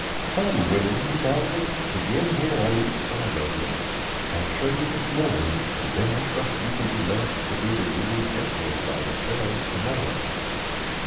"Come, Winnie and Bobsey, begin here on each side of me. I'll show you this morning and then I trust you can be left to do the weeding carefully by yourselves to morrow.